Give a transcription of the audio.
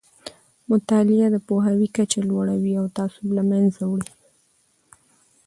مطالعه د پوهاوي کچه لوړوي او تعصب له منځه وړي.